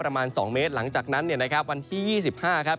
ประมาณ๒เมตรหลังจากนั้นเนี่ยนะครับวันที่๒๕ครับ